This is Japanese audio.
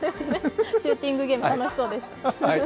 シューティングゲーム楽しそうでした。